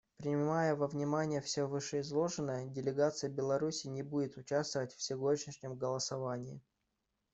Принимая во внимание все вышеизложенное, делегация Беларуси не будет участвовать в сегодняшнем голосовании.